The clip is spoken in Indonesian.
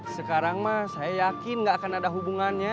sekarang mas saya yakin gak akan ada hubungannya